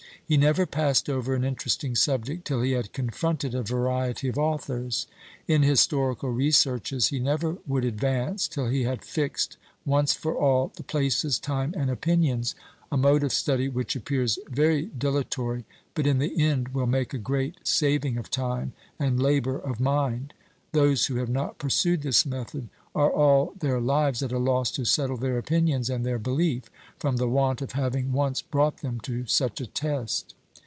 He never passed over an interesting subject till he had confronted a variety of authors. In historical researches he never would advance, till he had fixed, once for all, the places, time, and opinions a mode of study which appears very dilatory, but in the end will make a great saving of time, and labour of mind: those who have not pursued this method are all their lives at a loss to settle their opinions and their belief, from the want of having once brought them to such a test.